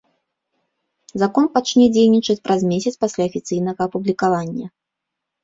Закон пачне дзейнічаць праз месяц пасля афіцыйнага апублікавання.